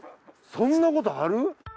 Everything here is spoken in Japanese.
そんなことある？